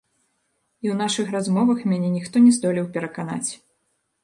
І ў нашых размовах мяне ніхто не здолеў пераканаць.